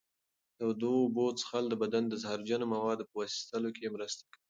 د تودو اوبو څښل د بدن د زهرجنو موادو په ویستلو کې مرسته کوي.